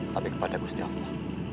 tapi kepadaku setia